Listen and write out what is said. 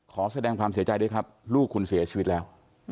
ขอแสดงความเสียใจด้วยครับลูกคุณเสียชีวิตแล้ว